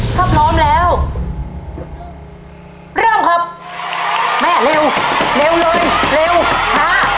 ถ้าพร้อมแล้วเริ่มครับแม่เร็วเร็วเลยเร็วช้า